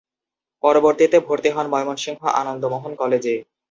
পরবর্তীতে ভর্তি হন ময়মনসিংহ আনন্দমোহন কলেজে।